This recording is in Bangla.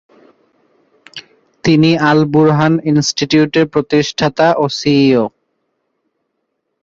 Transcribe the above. তিনি আল-বুরহান ইনস্টিটিউটের প্রতিষ্ঠাতা ও সিইও।